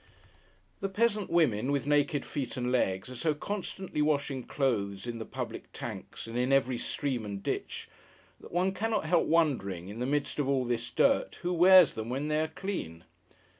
The Peasant Women, with naked feet and legs, are so constantly washing clothes, in the public tanks, and in every stream and ditch, that one cannot help wondering, in the midst of all this dirt, who wears them when they are clean.